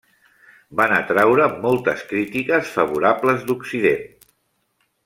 Van atraure moltes crítiques favorables d'Occident.